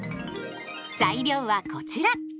材料はこちら。